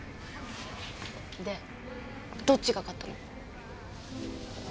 でどっちが勝ったの？